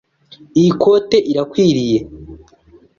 Iyi koti irakwiriye?